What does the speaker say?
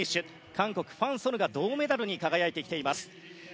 韓国ファン・ソヌが銅メダルに輝いています。